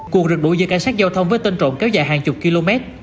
cuộc rực đuổi giữa cảnh sát giao thông với tên trộm kéo dài hàng chục km